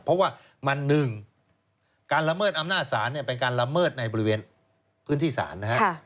เพราะว่ามัน๑การละเมิดอำนาจศาลเป็นการละเมิดในบริเวณพื้นที่ศาลนะครับ